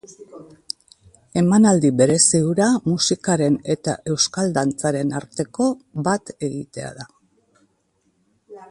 Emanaldi berezi hura musikaren eta euskal dantzaren arteko bat-egitea da.